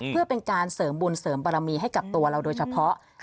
เพื่อเป็นการเสริมบุญเสริมบารมีให้กับตัวเราโดยเฉพาะ